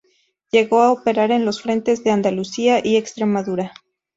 Llegó a operar en los frentes de Andalucía y Extremadura.